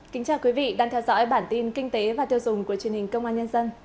kính chào quý vị đang theo dõi bản tin kinh tế và tiêu dùng của truyền hình công an nhân dân